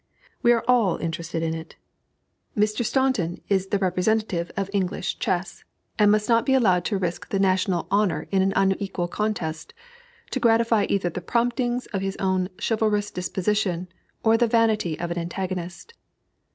We are all interested in it. Mr. Staunton is the representative of English chess, and must not be allowed to risk the national honor in an unequal contest, to gratify either the promptings of his own chivalrous disposition or the vanity of an antagonist.